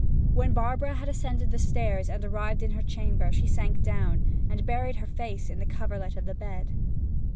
When Barbara had ascended the stairs and arrived in her chamber she sank down, and buried her face in the coverlet of the bed.